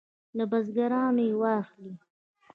له بزګرانو یې واخلي.